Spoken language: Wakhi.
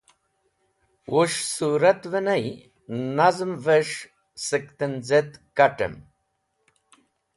Wus̃h sũratvẽ ney nazmẽvẽs̃h sẽk tẽnz̃etk kat̃ẽm.